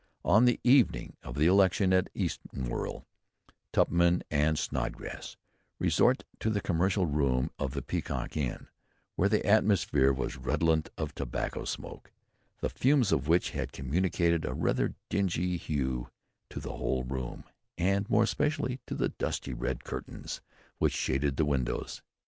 On the evening of the election at Eatanswill, Tupman and Snodgrass resort to the commercial room of the Peacock Inn, where "the atmosphere was redolent of tobacco smoke, the fumes of which had communicated a rather dingy hue to the whole room, and more especially to the dusty red curtains which shaded the windows."